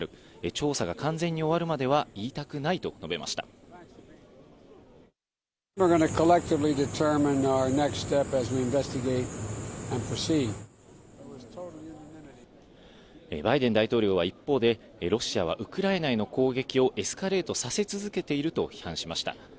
調査が完全に終わるバイデン大統領は一方で、ロシアはウクライナへの攻撃をエスカレートさせ続けていると批判しました。